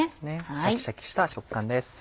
シャキシャキした食感です。